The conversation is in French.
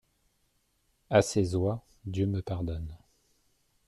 À ses oies, Dieu me pardonne !